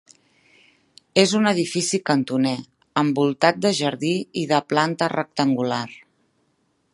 És un edifici cantoner, envoltat de jardí i de planta rectangular.